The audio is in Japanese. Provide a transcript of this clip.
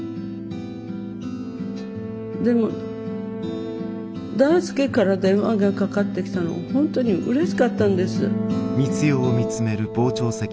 でも大輔から電話がかかってきたの本当にうれしかったんです。